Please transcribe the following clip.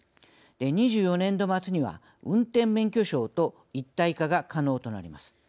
２４年度末には運転免許証と一体化が可能となります。